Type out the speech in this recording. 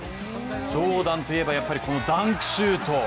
ジョーダンといえば、やっぱりこのダンクシュート！